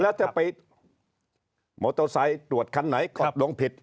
แล้วจะไปมอเตอร์ไซค์ตรวจคันไหนกรอบลงผิด